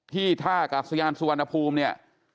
ที่ถ้ากับยานสุวรรณภูมิ